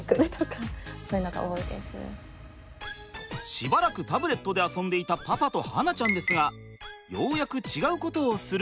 しばらくタブレットで遊んでいたパパと巴梛ちゃんですがようやく違うことをするみたい。